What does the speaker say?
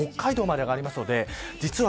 北海道まで上がります。